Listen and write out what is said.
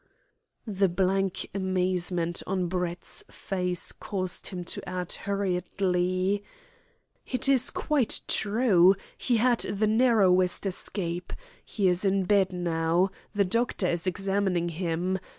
The blank amazement on Brett's face caused him to add hurriedly: "It is quite true. He had the narrowest escape. He is in bed now. The doctor is examining him.